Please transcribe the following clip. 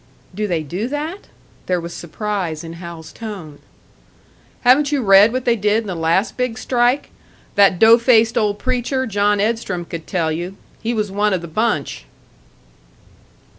"Do they do that?" There was surprise in Hal's tone. "Haven't you read what they did in the last big strike? That dough faced old preacher, John Edstrom, could tell you. He was one of the bunch."